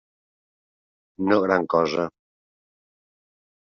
No gran cosa.